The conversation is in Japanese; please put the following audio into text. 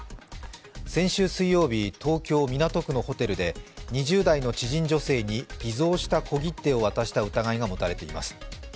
先週水曜日、東京・港区のホテルで２０代の知人女性に偽造した小切手を渡した疑いが持たれています。